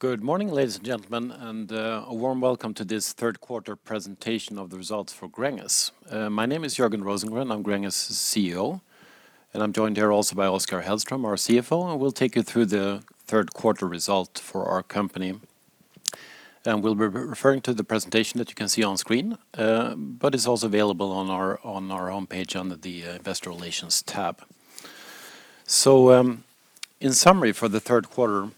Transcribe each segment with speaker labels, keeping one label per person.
Speaker 1: Good morning, ladies and gentlemen, and, a warm welcome to this Third Quarter Presentation of The Results for Gränges. My name is Jörgen Rosengren. I'm Gränges' CEO, and I'm joined here also by Oskar Hellström, our CFO, and we'll take you through the third quarter result for our company. We'll be referring to the presentation that you can see on screen, but it's also available on our homepage under the investor relations tab. In summary, for the third quarter,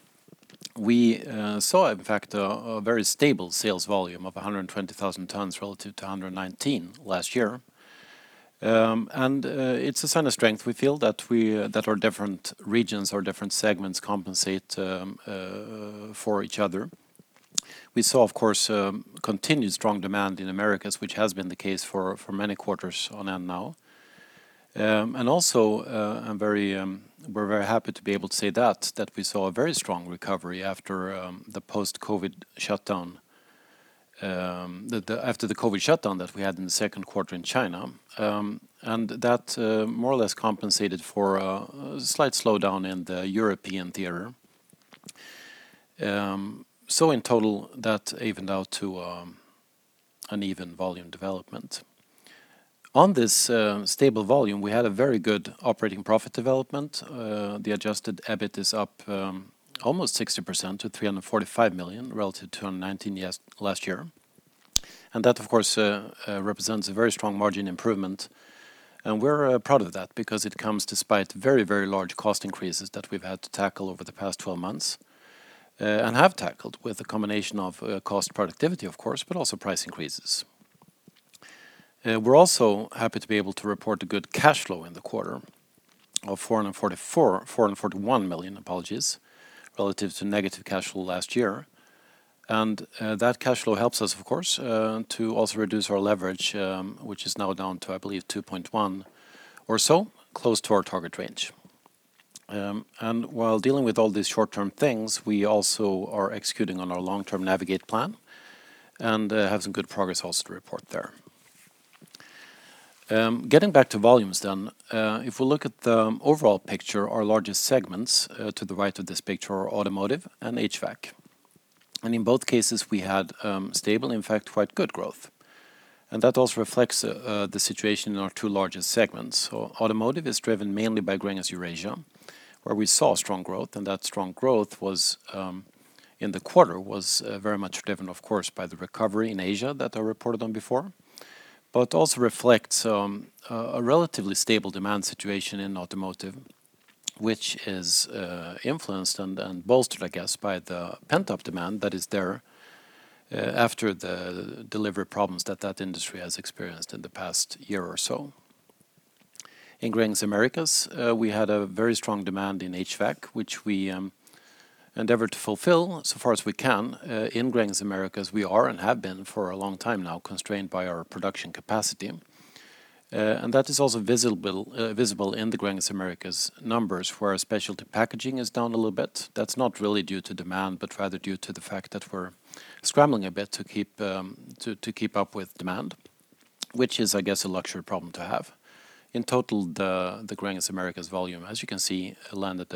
Speaker 1: we saw in fact a very stable sales volume of 120,000 tons relative to 119 last year. It's a sign of strength, we feel, that our different regions, our different segments compensate for each other. We saw, of course, continued strong demand in Americas, which has been the case for many quarters on end now. We're very happy to be able to say that we saw a very strong recovery after the COVID shutdown that we had in the second quarter in China. That more or less compensated for a slight slowdown in the European theater. In total, that evened out to an even volume development. On this stable volume, we had a very good operating profit development. The adjusted EBIT is up almost 60% to 345 million relative to 119 million last year. That, of course, represents a very strong margin improvement, and we're proud of that because it comes despite very, very large cost increases that we've had to tackle over the past 12 months, and have tackled with a combination of cost productivity, of course, but also price increases. We're also happy to be able to report a good cash flow in the quarter of 441 million, apologies, relative to negative cash flow last year. That cash flow helps us, of course, to also reduce our leverage, which is now down to, I believe, 2.1 or so, close to our target range. While dealing with all these short-term things, we also are executing on our long-term Navigate plan, and have some good progress also to report there. Getting back to volumes then, if we look at the overall picture, our largest segments to the right of this picture are Automotive and HVAC. In both cases we had stable, in fact, quite good growth, and that also reflects the situation in our two largest segments. Automotive is driven mainly by Gränges Eurasia, where we saw strong growth, and that strong growth was in the quarter, very much driven, of course, by the recovery in Asia that I reported on before, but also reflects a relatively stable demand situation in Automotive, which is influenced and bolstered, I guess, by the pent-up demand that is there after the delivery problems that industry has experienced in the past year or so. In Gränges Americas, we had a very strong demand in HVAC, which we endeavor to fulfill so far as we can. In Gränges Americas, we are and have been for a long time now constrained by our production capacity. That is also visible in the Gränges Americas numbers, where our Specialty packaging is down a little bit. That's not really due to demand, but rather due to the fact that we're scrambling a bit to keep up with demand, which is, I guess, a luxury problem to have. In total, the Gränges Americas volume, as you can see, landed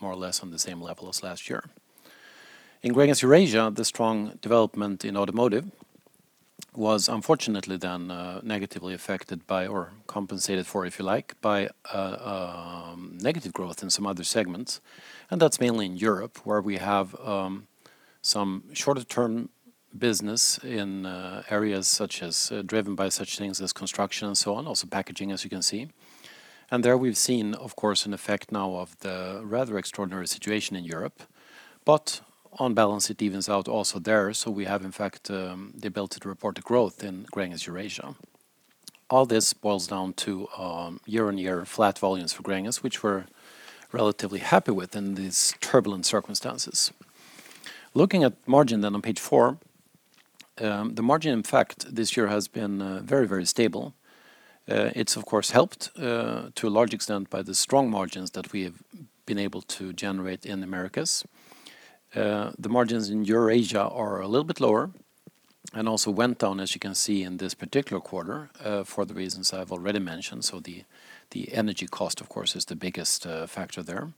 Speaker 1: more or less on the same level as last year. In Gränges Eurasia, the strong development in Automotive was unfortunately then negatively affected by, or compensated for, if you like, by negative growth in some other segments, and that's mainly in Europe, where we have some shorter term business in areas such as driven by such things as construction and so on, also packaging, as you can see. There we've seen, of course, an effect now of the rather extraordinary situation in Europe. On balance, it evens out also there, so we have, in fact, the ability to report the growth in Gränges Eurasia. All this boils down to year-over-year flat volumes for Gränges, which we're relatively happy with in these turbulent circumstances. Looking at margin then on page four, the margin, in fact, this year has been very, very stable. It's of course helped to a large extent by the strong margins that we have been able to generate in Americas. The margins in Eurasia are a little bit lower and also went down, as you can see, in this particular quarter, for the reasons I've already mentioned, so the energy cost, of course, is the biggest factor there.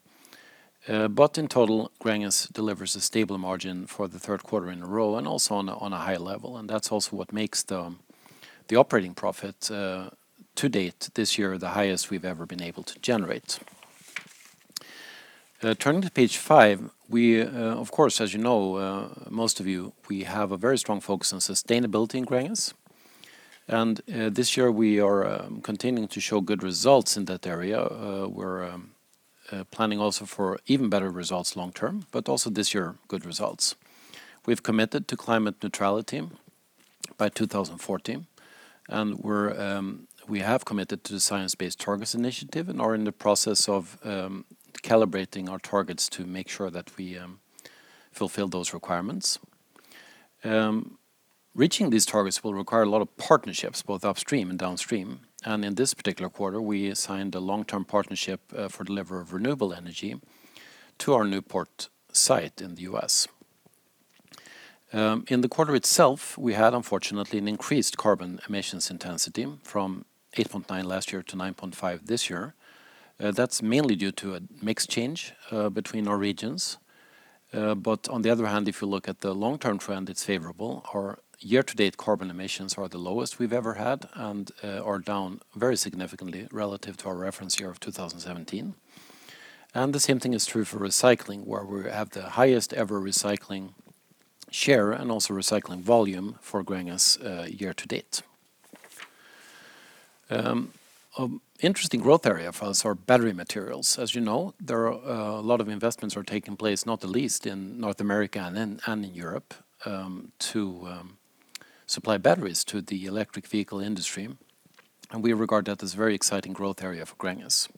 Speaker 1: In total, Gränges delivers a stable margin for the third quarter in a row and also on a high level, and that's also what makes the operating profit to date this year the highest we've ever been able to generate. Turning to page five, we, of course, as you know, most of you, we have a very strong focus on sustainability in Gränges, and this year we are continuing to show good results in that area. We're planning also for even better results long term, but also this year, good results. We've committed to climate neutrality by 2040, and we have committed to the Science Based Targets initiative and are in the process of calibrating our targets to make sure that we fulfill those requirements. Reaching these targets will require a lot of partnerships, both upstream and downstream, and in this particular quarter, we signed a long-term partnership for delivery of renewable energy to our Newport site in the U.S. In the quarter itself, we had unfortunately an increased carbon emissions intensity from 8.9 last year to 9.5 this year. That's mainly due to a mix change between our regions. But on the other hand, if you look at the long-term trend, it's favorable. Our year-to-date carbon emissions are the lowest we've ever had and are down very significantly relative to our reference year of 2017. The same thing is true for recycling, where we have the highest ever recycling share and also recycling volume for Gränges year to date. Interesting growth area for us are battery materials. As you know, there are a lot of investments taking place, not the least in North America and in Europe, to supply batteries to the electric vehicle industry, and we regard that as a very exciting growth area for Gränges.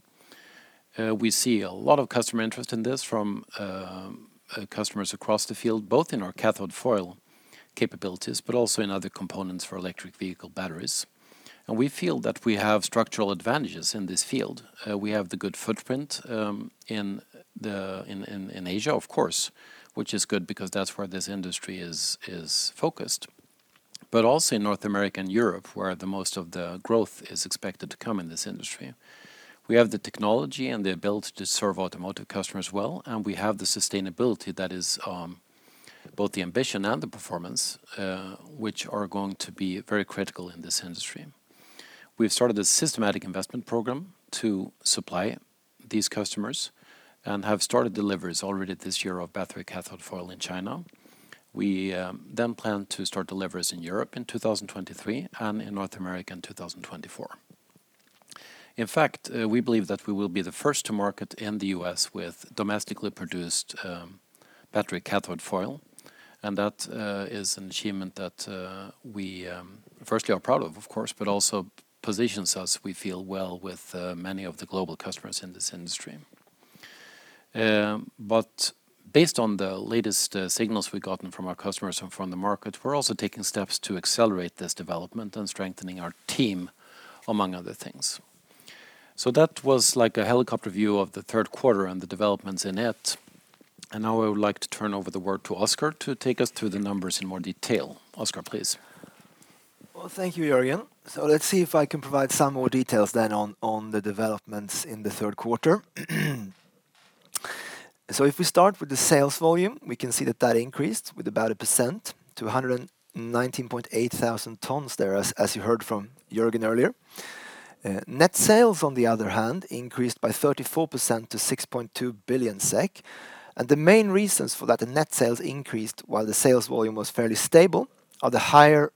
Speaker 1: We see a lot of customer interest in this from customers across the field, both in our cathode foil capabilities, but also in other components for electric vehicle batteries. We feel that we have structural advantages in this field. We have the good footprint in Asia, of course, which is good because that's where this industry is focused. Also in North America and Europe, where the most of the growth is expected to come in this industry. We have the technology and the ability to serve automotive customers well, and we have the sustainability that is both the ambition and the performance which are going to be very critical in this industry. We've started a systematic investment program to supply these customers and have started deliveries already this year of battery cathode foil in China. We then plan to start deliveries in Europe in 2023 and in North America in 2024. In fact, we believe that we will be the first to market in the U.S. with domestically produced battery cathode foil. That is an achievement that we firstly are proud of course, but also positions us, we feel, well with many of the global customers in this industry. But based on the latest signals we've gotten from our customers and from the market, we're also taking steps to accelerate this development and strengthening our team, among other things. That was like a helicopter view of the third quarter and the developments in it. Now I would like to turn over the word to Oskar to take us through the numbers in more detail. Oskar, please.
Speaker 2: Well, thank you, Jörgen. Let's see if I can provide some more details then on the developments in the third quarter. If we start with the sales volume, we can see that increased by about 1% to 119,800 tons there, as you heard from Jörgen earlier. Net sales, on the other hand, increased by 34% to 6.2 billion SEK. The main reasons for that, the net sales increased while the sales volume was fairly stable, are the higher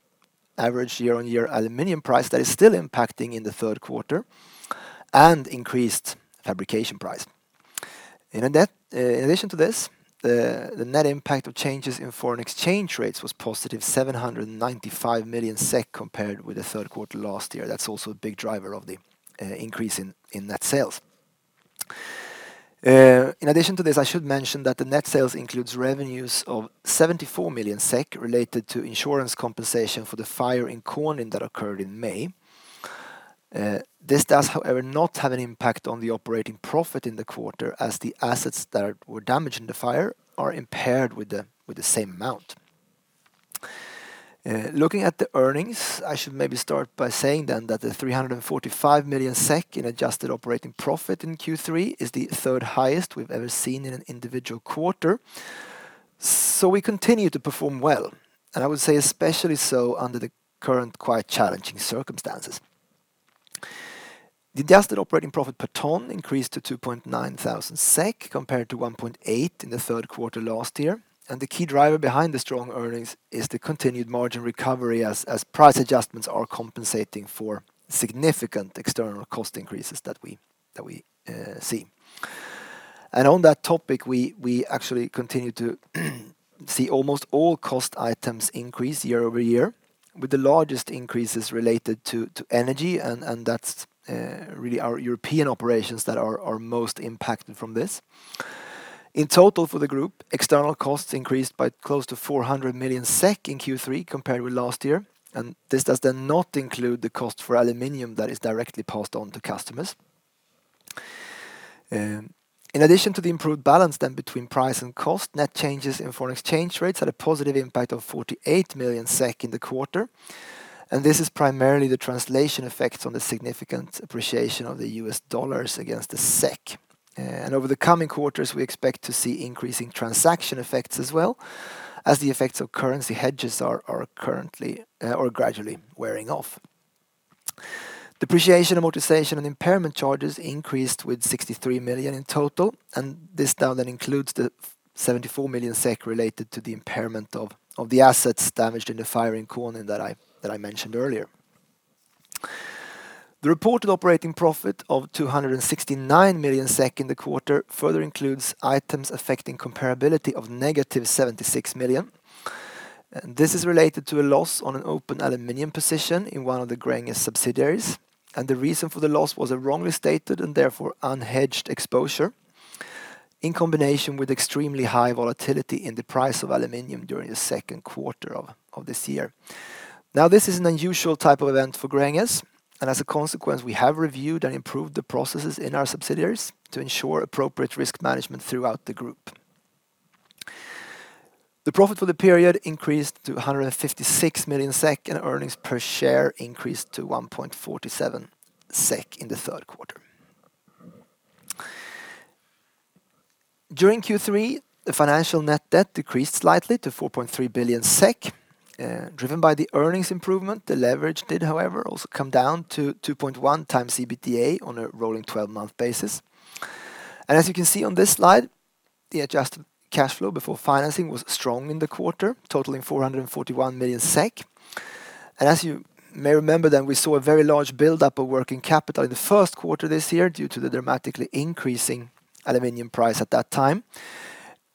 Speaker 2: average year-on-year aluminium price that is still impacting in the third quarter and increased fabrication price. In addition to this, the net impact of changes in foreign exchange rates was positive 795 million SEK compared with the third quarter last year. That's also a big driver of the increase in net sales. In addition to this, I should mention that the net sales includes revenues of 74 million SEK related to insurance compensation for the fire in Konin that occurred in May. This does, however, not have an impact on the operating profit in the quarter as the assets that were damaged in the fire are impaired with the same amount. Looking at the earnings, I should maybe start by saying that the 345 million SEK in adjusted operating profit in Q3 is the third highest we've ever seen in an individual quarter. We continue to perform well, and I would say especially so under the current quite challenging circumstances. The adjusted operating profit per ton increased to 2.9 thousand SEK compared to 1.8 in the third quarter last year. The key driver behind the strong earnings is the continued margin recovery as price adjustments are compensating for significant external cost increases that we see. On that topic, we actually continue to see almost all cost items increase year-over-year, with the largest increases related to energy and that's really our European operations that are most impacted from this. In total for the group, external costs increased by close to 400 million SEK in Q3 compared with last year, and this does then not include the cost for aluminium that is directly passed on to customers. In addition to the improved balance then between price and cost, net changes in foreign exchange rates had a positive impact of 48 million SEK in the quarter. This is primarily the translation effects on the significant appreciation of the US dollars against the SEK. Over the coming quarters, we expect to see increasing transaction effects as well as the effects of currency hedges are currently or gradually wearing off. Depreciation, amortization, and impairment charges increased with 63 million in total, and this now then includes the 74 million SEK related to the impairment of the assets damaged in the fire in Konin that I mentioned earlier. The reported operating profit of 269 million SEK in the quarter further includes items affecting comparability of negative 76 million. This is related to a loss on an open aluminium position in one of the Gränges subsidiaries. The reason for the loss was a wrongly stated and therefore unhedged exposure in combination with extremely high volatility in the price of aluminium during the second quarter of this year. Now, this is an unusual type of event for Gränges, and as a consequence, we have reviewed and improved the processes in our subsidiaries to ensure appropriate risk management throughout the group. The profit for the period increased to 156 million SEK, and earnings per share increased to 1.47 SEK in the third quarter. During Q3, the financial net debt decreased slightly to 4.3 billion SEK, driven by the earnings improvement. The leverage did, however, also come down to 2.1 times EBITDA on a rolling twelve-month basis. As you can see on this slide, the adjusted cash flow before financing was strong in the quarter, totaling 441 million SEK. As you may remember then, we saw a very large build up of working capital in the first quarter this year due to the dramatically increasing aluminium price at that time.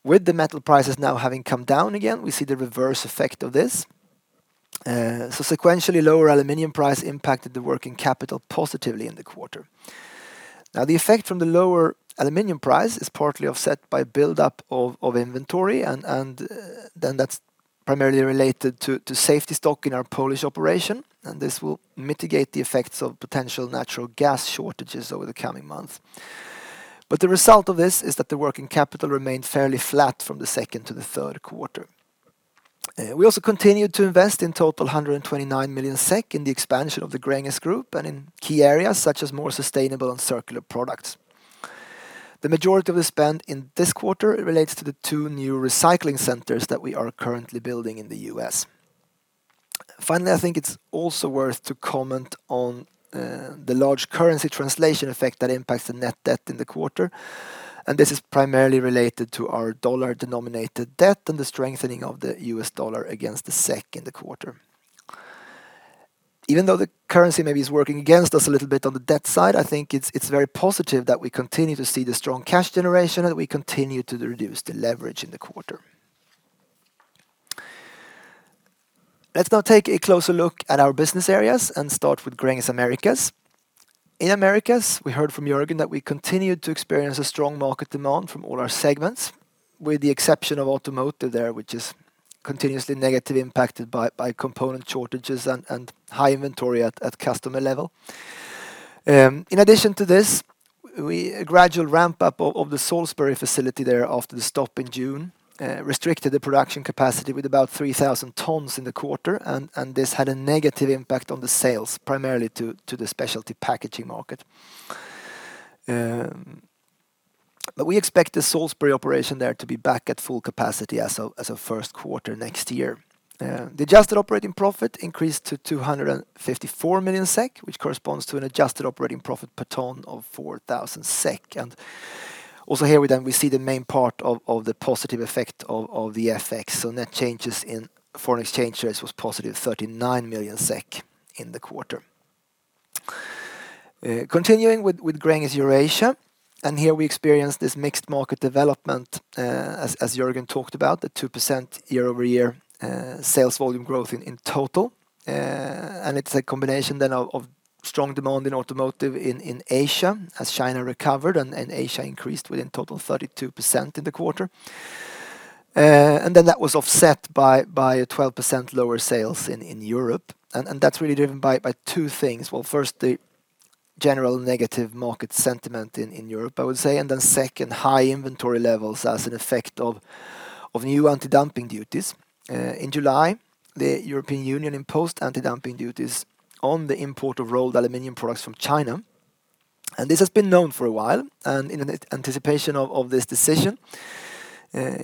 Speaker 2: With the metal prices now having come down again, we see the reverse effect of this. Sequentially lower aluminium price impacted the working capital positively in the quarter. Now, the effect from the lower aluminium price is partly offset by build up of inventory and then that's primarily related to safety stock in our Polish operation, and this will mitigate the effects of potential natural gas shortages over the coming months. The result of this is that the working capital remained fairly flat from the second to the third quarter. We also continued to invest in total 129 million SEK in the expansion of the Gränges group and in key areas such as more sustainable and circular products. The majority of the spend in this quarter relates to the two new recycling centers that we are currently building in the U.S. Finally, I think it's also worth to comment on the large currency translation effect that impacts the net debt in the quarter, and this is primarily related to our dollar-denominated debt and the strengthening of the U.S. dollar against the SEK in the quarter. Even though the currency maybe is working against us a little bit on the debt side, I think it's very positive that we continue to see the strong cash generation and we continue to reduce the leverage in the quarter. Let's now take a closer look at our business areas and start with Gränges Americas. In Americas, we heard from Jörgen that we continued to experience a strong market demand from all our segments, with the exception of automotive there, which is continuously negatively impacted by component shortages and high inventory at customer level. In addition to this, a gradual ramp up of the Salisbury facility there after the stop in June restricted the production capacity with about 3,000 tons in the quarter and this had a negative impact on the sales, primarily to the specialty packaging market. We expect the Salisbury operation there to be back at full capacity as of first quarter next year. The adjusted operating profit increased to 254 million SEK, which corresponds to an adjusted operating profit per ton of 4,000 SEK. Also here we see the main part of the positive effect of the FX. Net changes in foreign exchange rates was positive 39 million SEK in the quarter. Continuing with Gränges Eurasia, here we experienced this mixed market development, as Jörgen talked about, the 2% year-over-year sales volume growth in total. It is a combination then of strong demand in automotive in Asia as China recovered and Asia increased with in total 32% in the quarter. That was offset by a 12% lower sales in Europe. That's really driven by two things. Well, first, the general negative market sentiment in Europe, I would say. Then second, high inventory levels as an effect of new anti-dumping duties. In July, the European Union imposed anti-dumping duties on the import of rolled aluminum products from China. This has been known for a while, and in anticipation of this decision,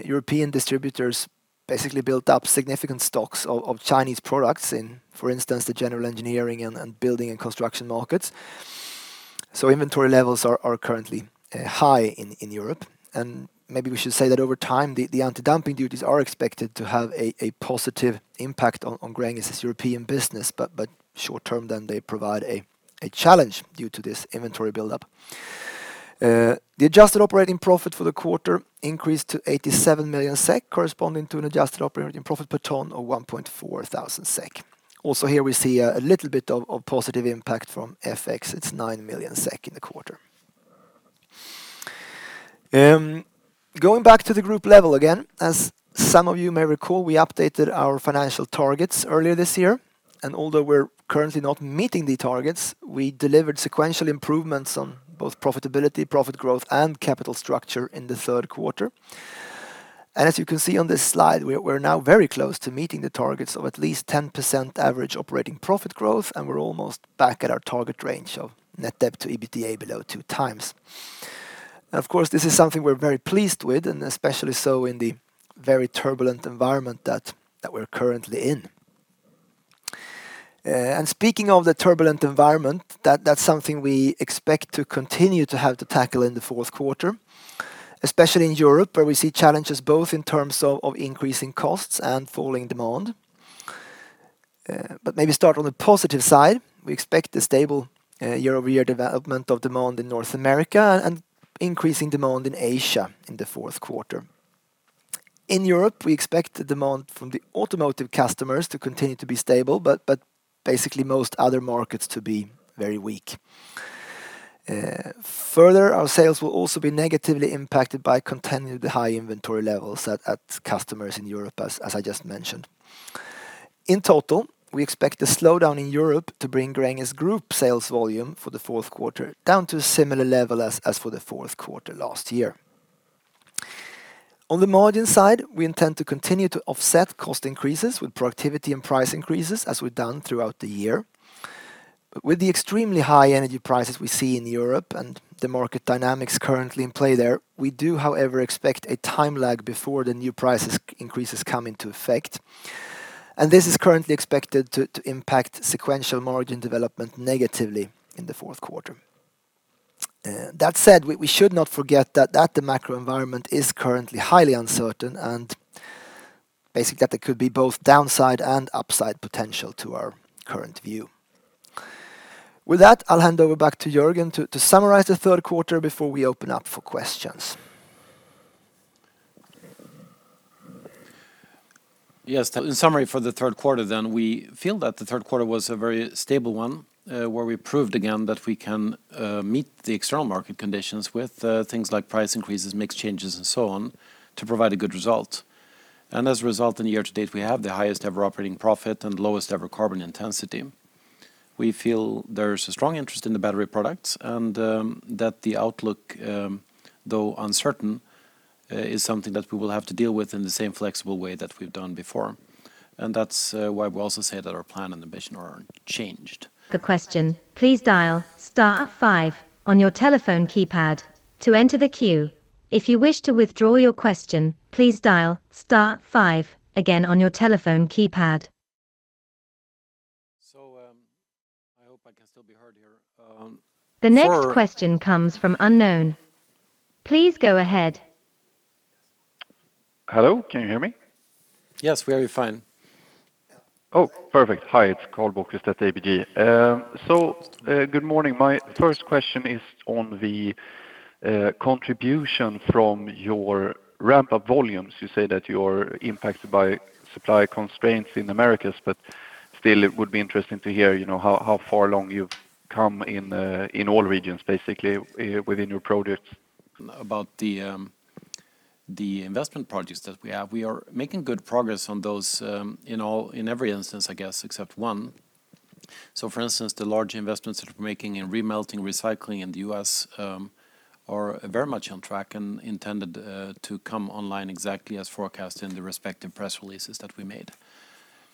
Speaker 2: European distributors basically built up significant stocks of Chinese products in, for instance, the general engineering and building and construction markets. Inventory levels are currently high in Europe. Maybe we should say that over time, the anti-dumping duties are expected to have a positive impact on Gränges' European business, but short term then they provide a challenge due to this inventory build up. The adjusted operating profit for the quarter increased to 87 million SEK, corresponding to an adjusted operating profit per ton of 1,400 SEK. Also here we see a little bit of positive impact from FX. It's SEK 9 million in the quarter. Going back to the group level again, as some of you may recall, we updated our financial targets earlier this year, and although we're currently not meeting the targets, we delivered sequential improvements on both profitability, profit growth, and capital structure in the third quarter. As you can see on this slide, we're now very close to meeting the targets of at least 10% average operating profit growth, and we're almost back at our target range of net debt to EBITDA below 2x. Of course, this is something we're very pleased with, and especially so in the very turbulent environment that we're currently in. Speaking of the turbulent environment, that's something we expect to continue to have to tackle in the fourth quarter, especially in Europe, where we see challenges both in terms of increasing costs and falling demand. Maybe start on the positive side. We expect a stable year-over-year development of demand in North America and increasing demand in Asia in the fourth quarter. In Europe, we expect the demand from the automotive customers to continue to be stable, but basically most other markets to be very weak. Further, our sales will also be negatively impacted by continued high inventory levels at customers in Europe as I just mentioned. In total, we expect a slowdown in Europe to bring Gränges Group sales volume for the fourth quarter down to a similar level as for the fourth quarter last year. On the margin side, we intend to continue to offset cost increases with productivity and price increases as we've done throughout the year. With the extremely high energy prices we see in Europe and the market dynamics currently in play there, we do, however, expect a time lag before the new prices increases come into effect, and this is currently expected to impact sequential margin development negatively in the fourth quarter. That said, we should not forget that the macro environment is currently highly uncertain and basically that there could be both downside and upside potential to our current view. With that, I'll hand over back to Jörgen to summarize the third quarter before we open up for questions.
Speaker 1: Yes. In summary for the third quarter then, we feel that the third quarter was a very stable one, where we proved again that we can meet the external market conditions with things like price increases, mix changes, and so on to provide a good result. As a result, in the year to date, we have the highest ever operating profit and lowest ever carbon intensity. We feel there's a strong interest in the battery products and that the outlook, though uncertain, is something that we will have to deal with in the same flexible way that we've done before. That's why we also say that our plan and ambition are unchanged.
Speaker 3: To ask a question, please dial star five on your telephone keypad to enter the queue. If you wish to withdraw your question, please dial star five again on your telephone keypad.
Speaker 1: I hope I can still be heard here.
Speaker 3: The next question comes from unknown. Please go ahead.
Speaker 4: Hello, can you hear me?
Speaker 1: Yes, we hear you fine.
Speaker 4: Oh, perfect. Hi, it's Karl Bokvist at ABG. Good morning. My first question is on the contribution from your ramp-up volumes. You say that you're impacted by supply constraints in Americas, but still it would be interesting to hear, you know, how far along you've come in all regions, basically, within your products.
Speaker 1: About the investment projects that we have, we are making good progress on those in every instance, I guess, except one. For instance, the large investments that we're making in re-melting, recycling in the U.S. are very much on track and intended to come online exactly as forecast in the respective press releases that we made.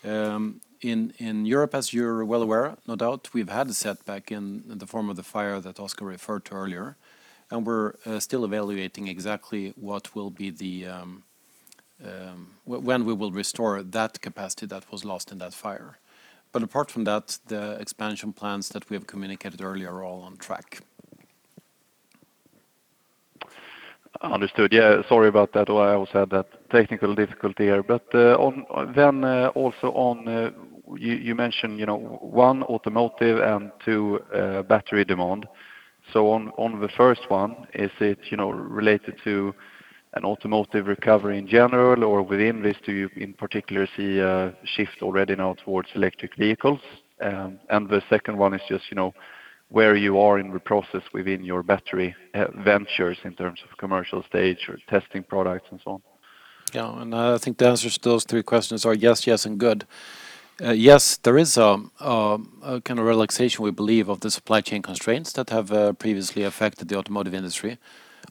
Speaker 1: In Europe, as you're well aware, no doubt, we've had a setback in the form of the fire that Oskar referred to earlier, and we're still evaluating exactly when we will restore that capacity that was lost in that fire. Apart from that, the expansion plans that we have communicated earlier are all on track.
Speaker 4: Understood. Yeah, sorry about that. I also had that technical difficulty here. also on, you mentioned, you know, one automotive and two, battery demand. on the first one, is it, you know, related to an automotive recovery in general? Or within this, do you in particular see a shift already now towards electric vehicles? the second one is just, you know, where you are in the process within your battery, ventures in terms of commercial stage or testing products and so on.
Speaker 1: Yeah. I think the answers to those three questions are yes, and good. Yes, there is a kind of relaxation, we believe, of the supply chain constraints that have previously affected the automotive industry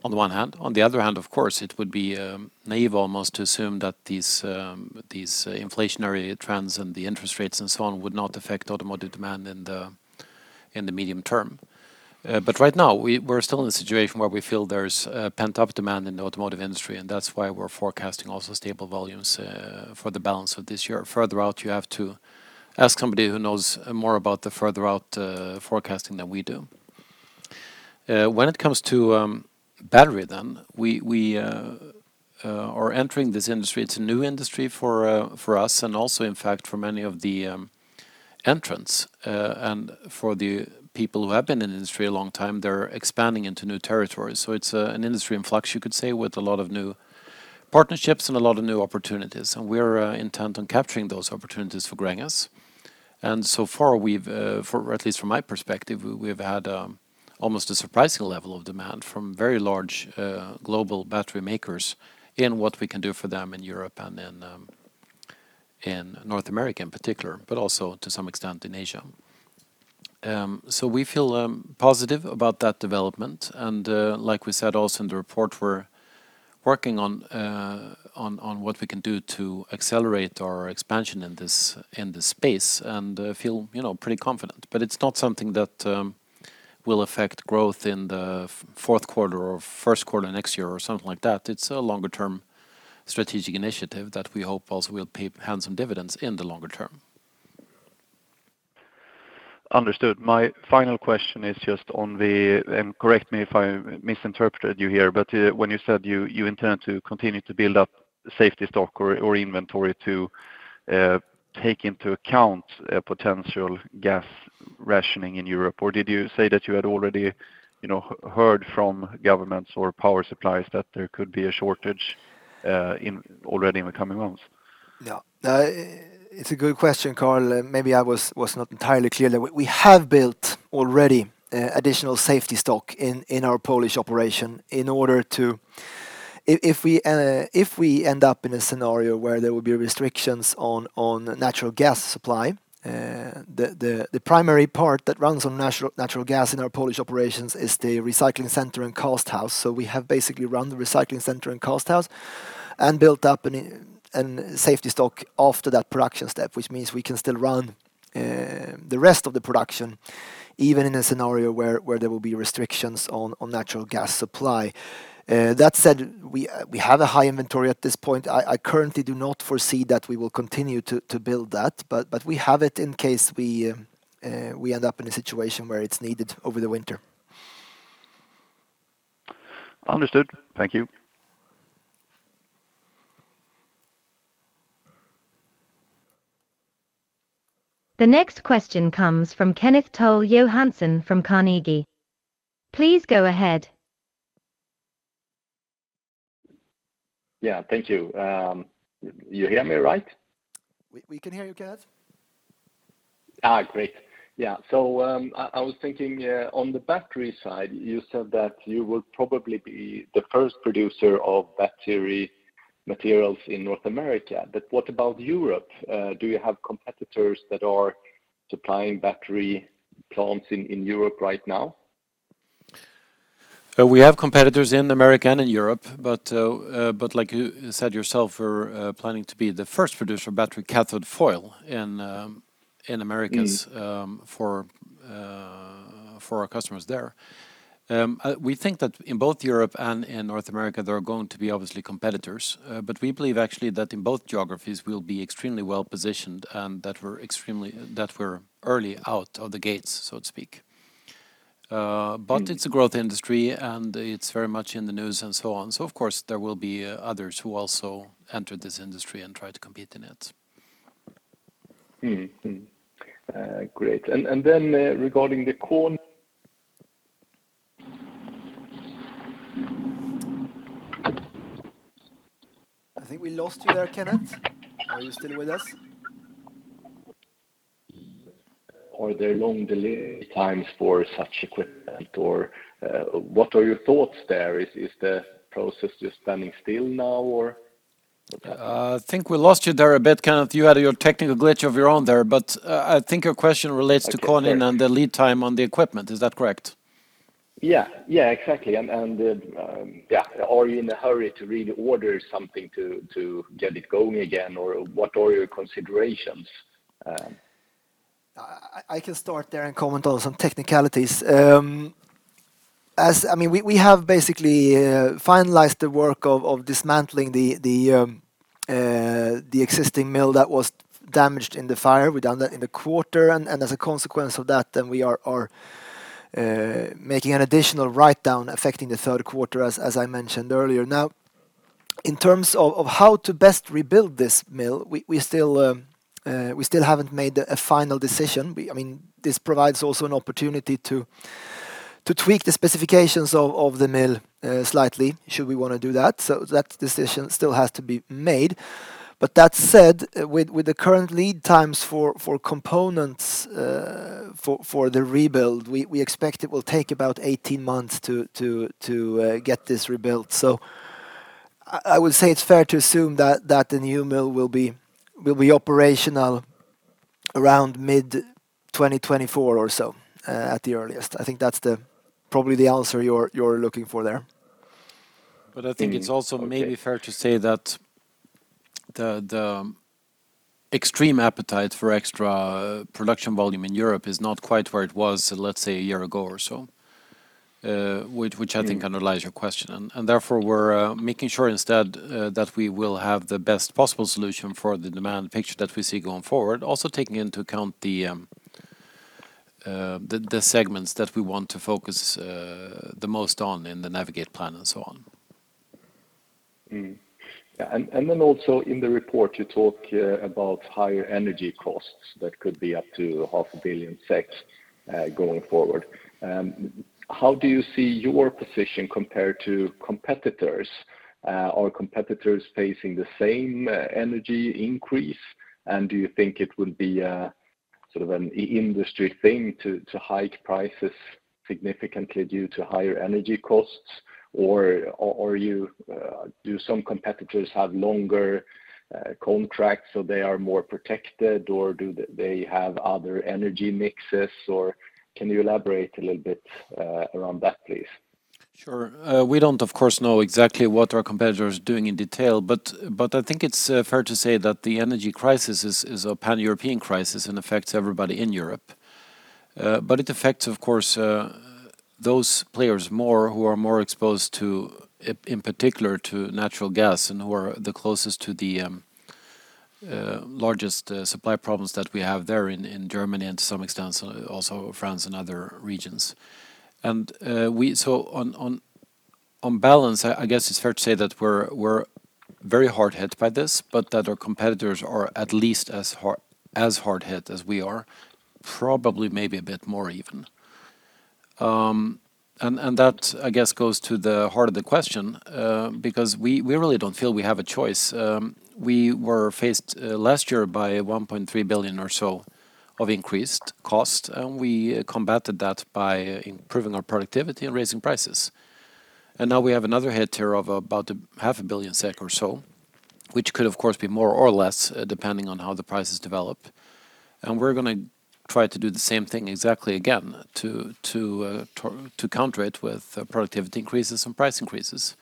Speaker 1: on the one hand. On the other hand, of course, it would be naive almost to assume that these inflationary trends and the interest rates and so on would not affect automotive demand in the medium term. Right now we're still in a situation where we feel there's pent-up demand in the automotive industry, and that's why we're forecasting also stable volumes for the balance of this year. Further out, you have to ask somebody who knows more about the further out forecasting than we do. When it comes to battery then, we are entering this industry. It's a new industry for us and also, in fact, for many of the entrants. For the people who have been in the industry a long time, they're expanding into new territories. It's an industry in flux, you could say, with a lot of new partnerships and a lot of new opportunities. We're intent on capturing those opportunities for Gränges. So far, for at least from my perspective, we've had almost a surprising level of demand from very large global battery makers in what we can do for them in Europe and in North America in particular, but also to some extent in Asia. We feel positive about that development. Like we said also in the report, we're working on what we can do to accelerate our expansion in this space and feel, you know, pretty confident. It's not something that will affect growth in the fourth quarter or first quarter next year or something like that. It's a longer term strategic initiative that we hope also will pay handsome dividends in the longer term.
Speaker 4: Understood. My final question is just on the, and correct me if I misinterpreted you here, but when you said you intend to continue to build up safety stock or inventory to take into account a potential gas rationing in Europe, or did you say that you had already, you know, heard from governments or power suppliers that there could be a shortage already in the coming months?
Speaker 2: Yeah. It's a good question, Karl. Maybe I was not entirely clear there. We have built already additional safety stock in our Polish operation in order to, if we end up in a scenario where there will be restrictions on natural gas supply, the primary part that runs on natural gas in our Polish operations is the recycling center and cast house. We have basically run the recycling center and cast house and built up a safety stock after that production step, which means we can still run the rest of the production, even in a scenario where there will be restrictions on natural gas supply. That said, we have a high inventory at this point. I currently do not foresee that we will continue to build that, but we have it in case we end up in a situation where it's needed over the winter.
Speaker 4: Understood. Thank you.
Speaker 3: The next question comes from Kenneth Toll Johansson from Carnegie. Please go ahead.
Speaker 5: Yeah. Thank you. You hear me right?
Speaker 2: We can hear you, Kenneth.
Speaker 5: I was thinking on the battery side, you said that you will probably be the first producer of battery materials in North America, but what about Europe? Do you have competitors that are supplying battery plants in Europe right now?
Speaker 1: We have competitors in America and in Europe, but like you said yourself, we're planning to be the first producer of battery cathode foil in Americas.
Speaker 5: Mm.
Speaker 1: For our customers there. We think that in both Europe and in North America, there are going to be obviously competitors. We believe actually that in both geographies we'll be extremely well-positioned, and that we're early out of the gates, so to speak.
Speaker 5: Mm-hmm.
Speaker 1: It's a growth industry, and it's very much in the news and so on. Of course, there will be others who also enter this industry and try to compete in it.
Speaker 5: Great. Regarding the Konin.
Speaker 2: I think we lost you there, Kenneth. Are you still with us?
Speaker 5: Are there long delivery times for such equipment? Or, what are your thoughts there? Is the process just standing still now or?
Speaker 1: I think we lost you there a bit, Kenneth. You had your technical glitch of your own there. I think your question relates to.
Speaker 5: Okay, great.
Speaker 1: Konin and the lead time on the equipment. Is that correct?
Speaker 5: Yeah. Yeah, exactly. Yeah, are you in a hurry to really order something to get it going again, or what are your considerations?
Speaker 2: I can start there and comment on some technicalities. I mean, we have basically finalized the work of dismantling the existing mill that was damaged in the fire. We've done that in the quarter. As a consequence of that, we are making an additional write-down affecting the third quarter, as I mentioned earlier. Now, in terms of how to best rebuild this mill, we still haven't made a final decision. I mean, this provides also an opportunity to tweak the specifications of the mill slightly, should we wanna do that. That decision still has to be made. That said, with the current lead times for components for the rebuild, we expect it will take about 18 months to get this rebuilt. I would say it's fair to assume that the new mill will be operational around mid-2024 or so, at the earliest. I think that's probably the answer you're looking for there.
Speaker 1: I think it's also maybe fair to say that the extreme appetite for extra production volume in Europe is not quite where it was, let's say, a year ago or so.
Speaker 5: Mm
Speaker 1: which I think underlies your question. Therefore, we're making sure instead that we will have the best possible solution for the demand picture that we see going forward, also taking into account the segments that we want to focus the most on in the Navigate plan and so on.
Speaker 5: Yeah. Also in the report, you talk about higher energy costs that could be up to half a billion SEK going forward. How do you see your position compared to competitors? Are competitors facing the same energy increase? Do you think it would be a sort of an industry thing to hike prices significantly due to higher energy costs? Or do some competitors have longer contracts, so they are more protected, or do they have other energy mixes? Can you elaborate a little bit around that, please?
Speaker 1: Sure. We don't of course know exactly what our competitors are doing in detail, but I think it's fair to say that the energy crisis is a pan-European crisis and affects everybody in Europe. It affects, of course, those players more who are more exposed to in particular to natural gas, and who are the closest to the largest supply problems that we have there in Germany, and to some extent also France and other regions. On balance, I guess it's fair to say that we're very hard hit by this, but that our competitors are at least as hard hit as we are. Probably maybe a bit more even. That I guess goes to the heart of the question, because we really don't feel we have a choice. We were faced last year by 1.3 billion or so of increased cost, and we combated that by improving our productivity and raising prices. Now we have another headwind of about half a billion SEK or so, which could of course be more or less depending on how the prices develop. We're gonna try to do the same thing exactly again to counter it with productivity increases and price increases.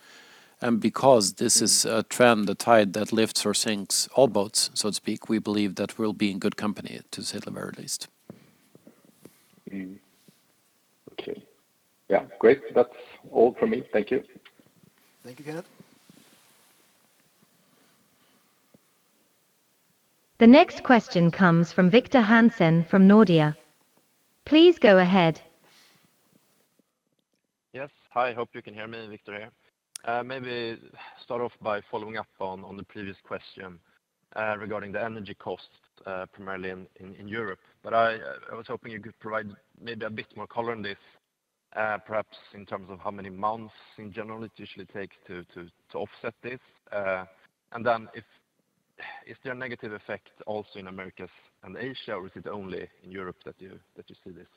Speaker 1: Because this is a trend, the tide that lifts or sinks all boats, so to speak, we believe that we'll be in good company to say the very least.
Speaker 5: Okay. Yeah. Great. That's all from me. Thank you.
Speaker 2: Thank you again.
Speaker 3: The next question comes from Victor Hansen from Nordea. Please go ahead.
Speaker 6: Yes. Hi. Hope you can hear me. Victor here. Maybe start off by following up on the previous question regarding the energy cost primarily in Europe. I was hoping you could provide maybe a bit more color on this, perhaps in terms of how many months in general it usually takes to offset this. Is there a negative effect also in Americas and Asia, or is it only in Europe that you see this?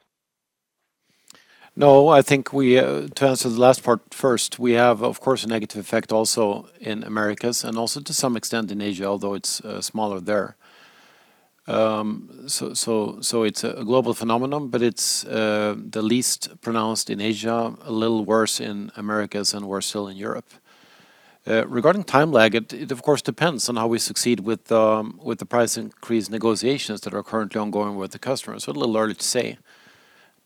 Speaker 1: No, I think we, to answer the last part first, we have, of course, a negative effect also in Americas and also to some extent in Asia, although it's smaller there. It's a global phenomenon, but it's the least pronounced in Asia, a little worse in Americas and worse still in Europe. Regarding time lag, it of course depends on how we succeed with the price increase negotiations that are currently ongoing with the customers. A little early to say.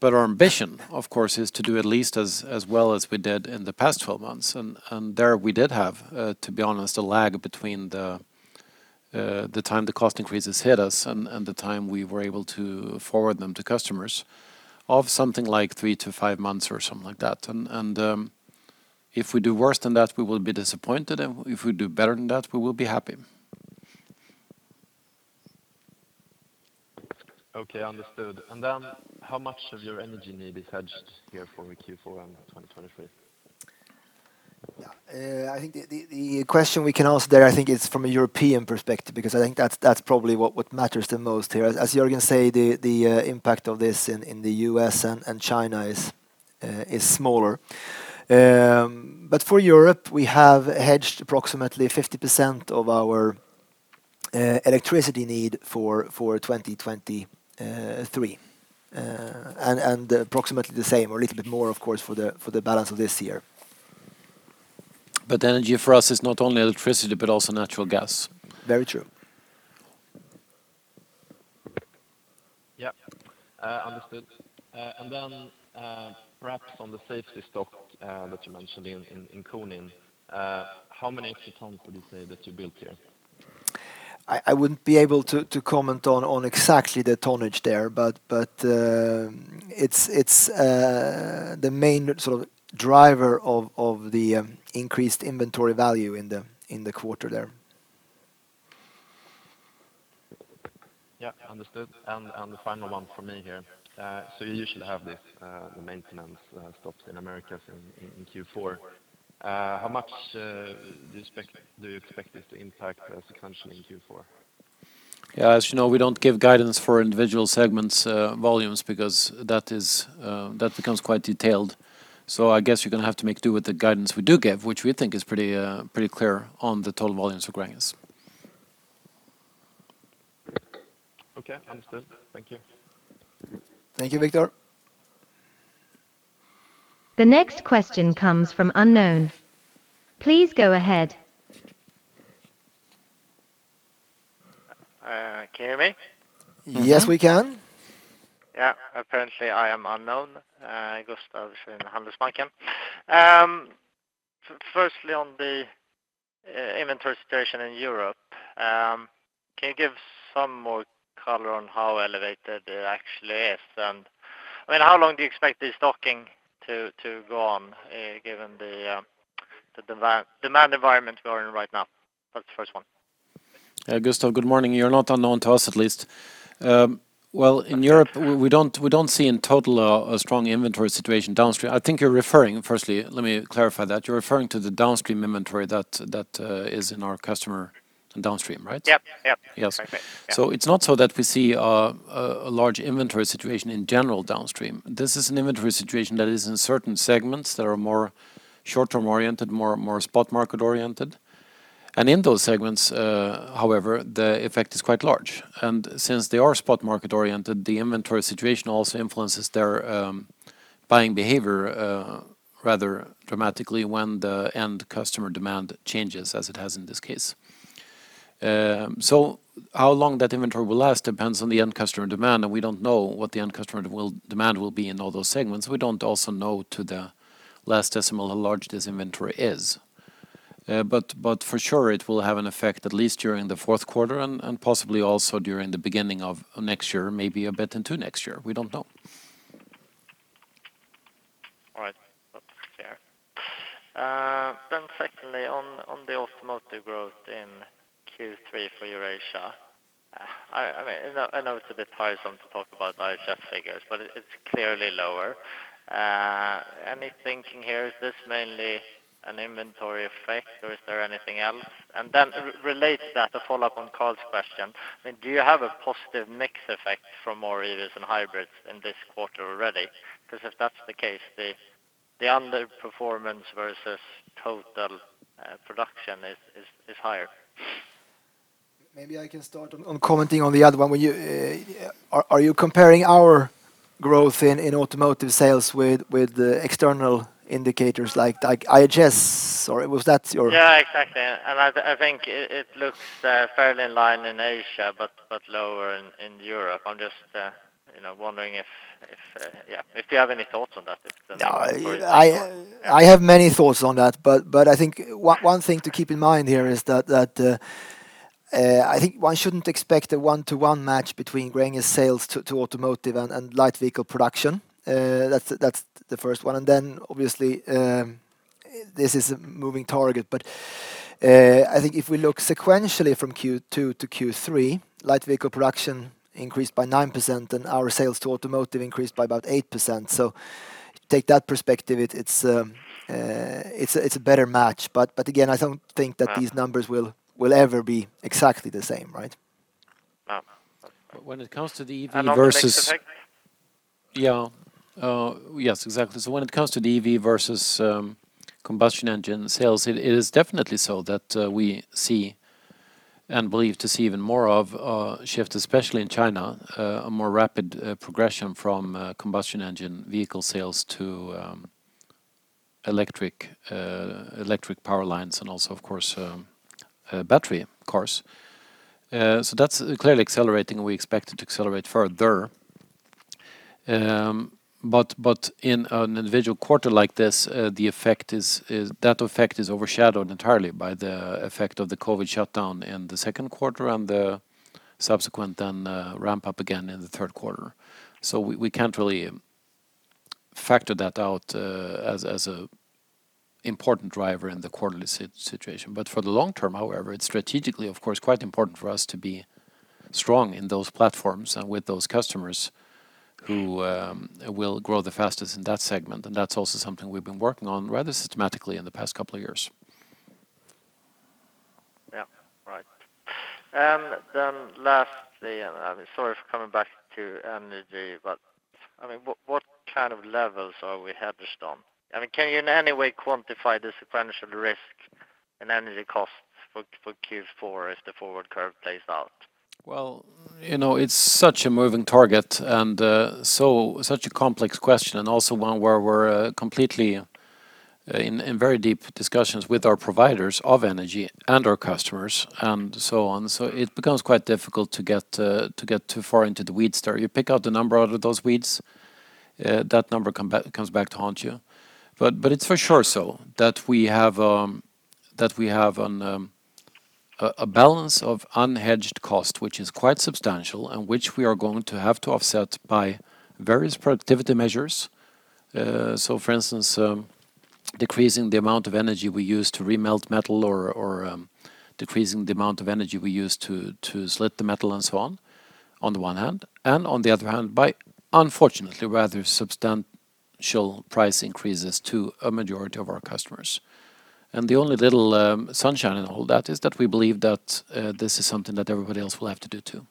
Speaker 1: Our ambition, of course, is to do at least as well as we did in the past 12 months. There we did have, to be honest, a lag between the time the cost increases hit us and the time we were able to forward them to customers of something like 3-5 months or something like that. If we do worse than that, we will be disappointed. If we do better than that, we will be happy.
Speaker 6: Okay. Understood. How much of your energy need is hedged here for Q4 in 2023?
Speaker 2: Yeah. I think the question we can answer there, I think it's from a European perspective, because I think that's probably what matters the most here. As Jörgen say, the impact of this in the U.S. and China is smaller. But for Europe, we have hedged approximately 50% of our electricity need for 2023. And approximately the same or a little bit more, of course, for the balance of this year.
Speaker 1: Energy for us is not only electricity, but also natural gas.
Speaker 2: Very true.
Speaker 6: Yeah. Understood. Perhaps on the safety stock that you mentioned in Konin, how many extra tons would you say that you built here?
Speaker 2: I wouldn't be able to comment on exactly the tonnage there, but it's the main sort of driver of the increased inventory value in the quarter there.
Speaker 6: Yeah. Understood. The final one for me here. You usually have this, the maintenance stops in Americas in Q4. How much do you expect this to impact EBITDA in Q4?
Speaker 1: Yeah. As you know, we don't give guidance for individual segments, volumes because that becomes quite detailed. I guess you're gonna have to make do with the guidance we do give, which we think is pretty clear on the total volumes we're growing.
Speaker 6: Okay. Understood. Thank you.
Speaker 2: Thank you, Victor.
Speaker 3: The next question comes from unknown. Please go ahead.
Speaker 7: Can you hear me?
Speaker 2: Yes, we can.
Speaker 7: Yeah. Apparently, I am unknown. Gustav from Handelsbanken. Firstly, on the inventory situation in Europe, can you give some more color on how elevated it actually is? I mean, how long do you expect the stocking to go on, given the demand environment we're in right now? That's the first one.
Speaker 1: Gustav, good morning. You're not unknown to us at least. Well, in Europe, we don't see in total a strong inventory situation downstream. I think you're referring, firstly, let me clarify that. You're referring to the downstream inventory that is in our customer downstream, right?
Speaker 7: Yep. Yep.
Speaker 1: Yes.
Speaker 7: Okay. Yeah.
Speaker 1: It's not so that we see a large inventory situation in general downstream. This is an inventory situation that is in certain segments that are more short-term oriented, more spot market oriented. In those segments, however, the effect is quite large. Since they are spot market oriented, the inventory situation also influences their buying behavior rather dramatically when the end customer demand changes as it has in this case. How long that inventory will last depends on the end customer demand, and we don't know what the end customer demand will be in all those segments. We don't also know to the last decimal how large this inventory is. For sure it will have an effect at least during the fourth quarter and possibly also during the beginning of next year, maybe a bit into next year. We don't know.
Speaker 7: All right. That's, then secondly, on the automotive growth in Q3 for Eurasia. I mean, I know it's a bit tiresome to talk about IHS figures, but it's clearly lower. Any thinking here, is this mainly an inventory effect or is there anything else? Then relate that to follow up on Karl's question, I mean, do you have a positive mix effect from more EVs and hybrids in this quarter already? Because if that's the case, the underperformance versus total production is higher.
Speaker 2: Maybe I can start on commenting on the other one. Are you comparing our growth in automotive sales with the external indicators like IHS? Or was that your-
Speaker 7: Yeah, exactly. I think it looks fairly in line in Asia, but lower in Europe. I'm just, you know, wondering if yeah if you have any thoughts on that, if then.
Speaker 2: No, I have many thoughts on that, but I think one thing to keep in mind here is that one shouldn't expect a one-to-one match between Gränges sales to automotive and light vehicle production. That's the first one. Obviously, this is a moving target, but I think if we look sequentially from Q2 to Q3, light vehicle production increased by 9% and our sales to automotive increased by about 8%. Take that perspective, it's a better match. But again, I don't think that these numbers will ever be exactly the same, right?
Speaker 7: No.
Speaker 1: When it comes to the EV versus
Speaker 7: On the mix effect?
Speaker 1: Yeah. Yes, exactly. When it comes to the EV versus combustion engine sales, it is definitely so that we see and believe to see even more of a shift, especially in China, a more rapid progression from combustion engine vehicle sales to electric powertrains and also, of course, battery, of course. That's clearly accelerating. We expect it to accelerate further. In an individual quarter like this, the effect is overshadowed entirely by the effect of the COVID shutdown in the second quarter and the subsequent ramp up again in the third quarter. We can't really factor that out as an important driver in the quarterly situation. For the long term, however, it's strategically, of course, quite important for us to be strong in those platforms and with those customers who will grow the fastest in that segment. That's also something we've been working on rather systematically in the past couple of years.
Speaker 7: Yeah. Right. Then lastly, sorry for coming back to energy, but, I mean, what kind of levels are we hedged on? I mean, can you in any way quantify the sequential risk in energy costs for Q4 as the forward curve plays out?
Speaker 1: Well, you know, it's such a moving target and so such a complex question and also one where we're completely in very deep discussions with our providers of energy and our customers and so on. It becomes quite difficult to get too far into the weeds there. You pick out the number out of those weeds, that number comes back to haunt you. It's for sure so that we have a balance of unhedged cost, which is quite substantial and which we are going to have to offset by various productivity measures. For instance, decreasing the amount of energy we use to remelt metal or decreasing the amount of energy we use to slit the metal and so on the one hand. On the other hand, by unfortunately rather substantial price increases to a majority of our customers. The only little sunshine in all that is that we believe that this is something that everybody else will have to do too.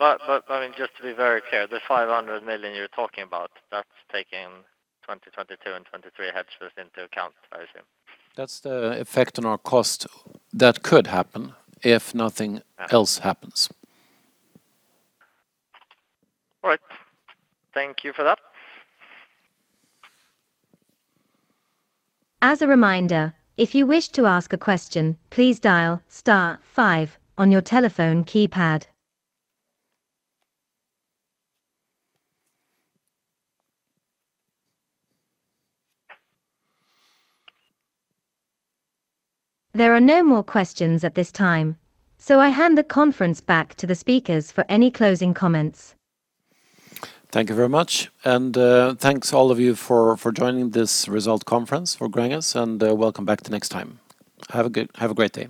Speaker 7: I mean, just to be very clear, the 500 million you're talking about, that's taking 2022 and 2023 hedges into account, I assume.
Speaker 1: That's the effect on our cost that could happen if nothing else happens.
Speaker 7: All right. Thank you for that.
Speaker 3: As a reminder, if you wish to ask a question, please dial star five on your telephone keypad. There are no more questions at this time, so I hand the conference back to the speakers for any closing comments.
Speaker 1: Thank you very much. Thanks all of you for joining this results conference for Gränges, and welcome back the next time. Have a great day.